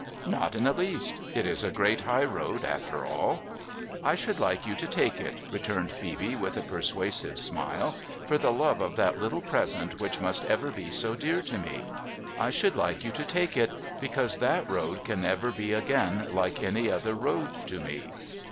' Not in the least ; it is a great high road after all.' ' I should like you to take it,' returned Phcebe with a persuasive smile, ' for the love of that little present which must ever be so dear to me. I should like you to take it, because that road can never be again like any other road to me.